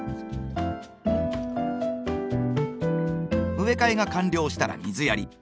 植え替えが完了したら水やり。